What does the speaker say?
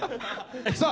さあ